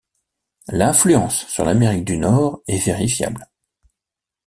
L'influence sur l'Amérique du Nord est vérifiable.